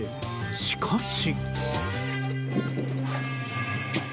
しかし。